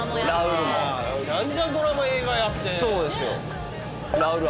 じゃんじゃんドラマ映画やって。